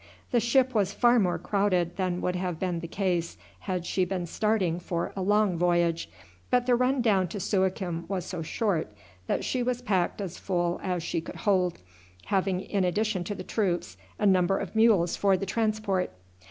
The ship was far more crowded than would have been the case had she been starting for a long voyage; but the run down to Suakim was so short that she was packed as full as she could hold, having in addition to the troops a number of mules for the transport.